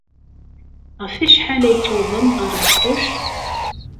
Ɣef wacḥal ay tewwḍem ɣer Ɛeṭṭuc?